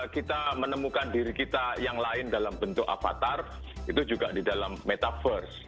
kita menemukan diri kita yang lain dalam bentuk avatar itu juga di dalam metaverse